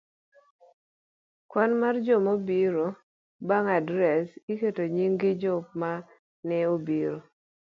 Kwan mar Joma obiro. Bang' adres, iketo nying jogo ma ne obiro